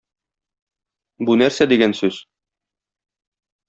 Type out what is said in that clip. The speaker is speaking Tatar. Бу нәрсә дигән сүз?